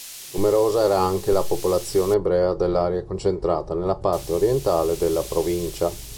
Numerosa era anche la popolazione ebrea dell'area concentrata nella parte orientale della provincia.